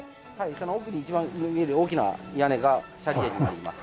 その奥に一番上に見える大きな屋根が舎利殿になります。